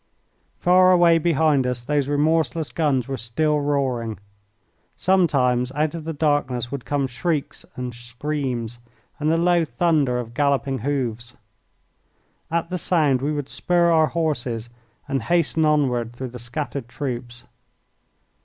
Far away behind us those remorseless guns were still roaring. Sometimes out of the darkness would come shrieks and screams and the low thunder of galloping hoofs. At the sound we would spur our horses and hasten onward through the scattered troops.